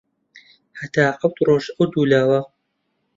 هەتا حەوت ڕۆژ ئەو دوو لاوە